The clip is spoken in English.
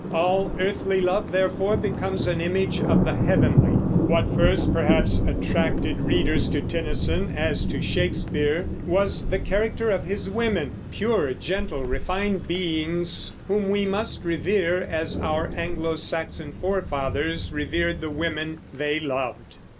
All earthly love, therefore, becomes an image of the heavenly. What first perhaps attracted readers to Tennyson, as to Shakespeare, was the character of his women, pure, gentle, refined beings, whom we must revere as our Anglo Saxon forefathers revered the women they loved.